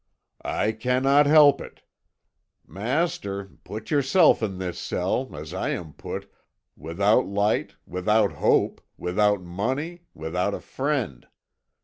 "I cannot help it. Master, put yourself in this cell, as I am put, without light, without hope, without money, without a friend.